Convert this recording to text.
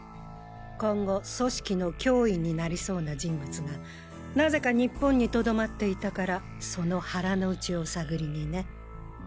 今後組織の脅威になりそうな人物がなぜか日本にとどまっていたからその腹の内を探りにね。